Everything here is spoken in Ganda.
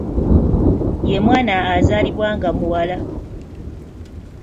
Ye mwana azaalibwa nga muwala.